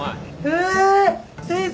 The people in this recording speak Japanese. え先生！